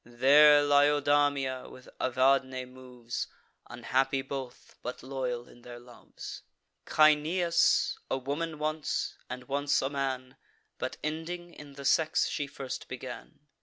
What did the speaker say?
There Laodamia, with Evadne, moves, Unhappy both, but loyal in their loves: Caeneus, a woman once, and once a man, But ending in the sex she first began.